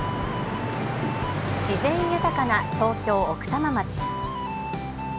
自然豊かな東京奥多摩町。